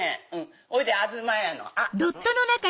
ほいで東屋の「あ」。